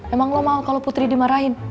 emang lo mau kalau putri dimarahin